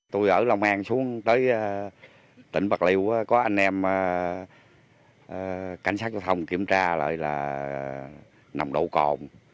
tôi ở lòng an xuống tới tỉnh bạc liêu có anh em cảnh sát giao thông kiểm tra là nằm đâu còn